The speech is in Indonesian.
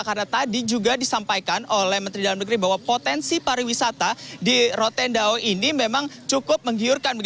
karena tadi juga disampaikan oleh menteri dalam negeri bahwa potensi pariwisata di rote ndawo ini memang cukup menghiurkan